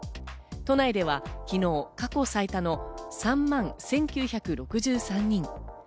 都内では昨日、過去最多の３万１９６３人。